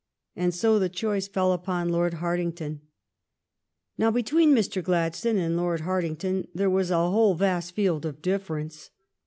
And so the choice fell upon Lord Hartington. Now between Mr. Gladstone and Lord Harting ton there was a whole vast field of difference.